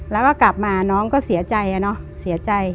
แล้วก็กลับมาน้องก็เสียใจ